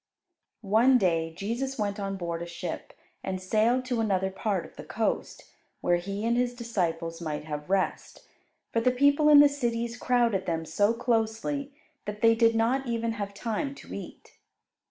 One day Jesus went on board a ship and sailed to another part of the coast, where He and His disciples might have rest. For the people in the cities crowded them so closely that they did not even have time to eat.